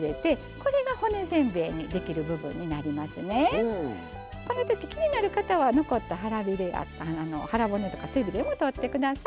このとき気になる方は残った腹骨とか背びれも取ってください。